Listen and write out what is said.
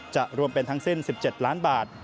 รวมเป็นทั้งสิ้น๑๗ล้านบาท